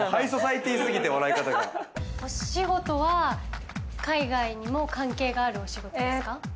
お仕事は海外にも関係があるお仕事ですか？